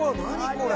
これ！